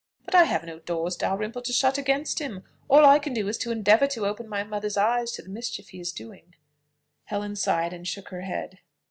But I have no doors, Dalrymple, to shut against him; all I can do is to endeavour to open my mother's eyes to the mischief he is doing." Helen sighed, and shook her head.